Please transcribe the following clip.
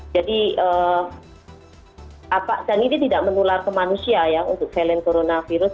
jadi dan ini tidak menular ke manusia ya untuk valine coronavirus